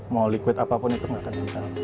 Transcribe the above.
mau liquid apapun itu gak akan nempel